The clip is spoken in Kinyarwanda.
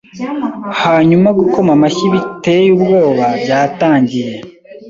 Hanyuma gukoma amashyi biteye ubwoba byatangiye